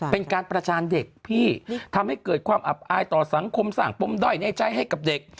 เป็นการประชานเด็กพี่ทำให้เกิดความอับอายต่อสังคมสร้างปมด้อยในใจให้กับเด็ก